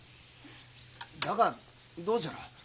だがどうじゃろう？